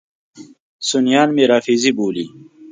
سنیان مې رافضي بولي.